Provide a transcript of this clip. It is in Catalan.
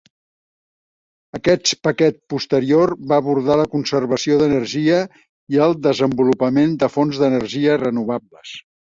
Aquest paquet posterior va abordar la conservació d'energia i el desenvolupament de fonts d'energia renovables.